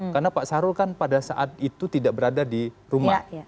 karena pak sarul kan pada saat itu tidak berada di rumah